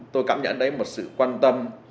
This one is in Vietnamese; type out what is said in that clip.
tôi cảm nhận đấy là một sự quan tâm